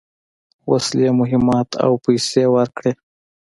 وسلې، مهمات او پیسې ورکړې.